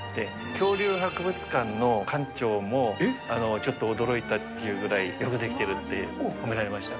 恐竜博物館の館長もちょっと驚いたっていうぐらいよく出来てるって褒められました。